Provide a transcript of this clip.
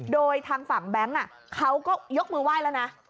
โดยทางฝั่งแบงค์เขาก็ยกมือไหว้แล้วนะ